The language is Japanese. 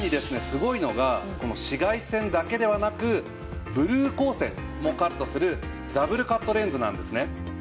すごいのがこの紫外線だけではなくブルー光線もカットするダブルカットレンズなんですね。